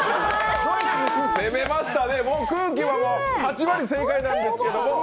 攻めましたね、８割正解なんですけど。